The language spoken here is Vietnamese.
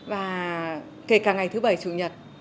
và kể cả ngày thứ bảy chủ nhật